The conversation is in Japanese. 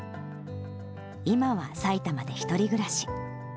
今は埼玉で１人暮らし。